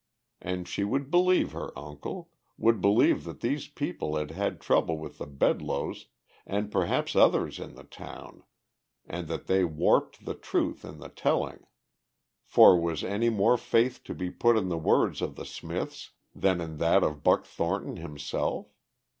And she would believe her uncle, would believe that these people had had trouble with the Bedloes and perhaps others in the town, and that they warped the truth in the telling. For was any more faith to be put in the word of the Smiths than in that of Buck Thornton himself?